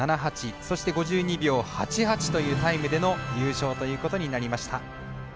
そして５２秒８８というタイムでの優勝ということになりました。